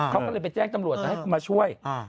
ก็เลยไปแจ้งตำรวจมาช่วย